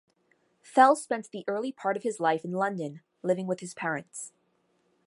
Fell spent the early part of his life in London, living with his parents.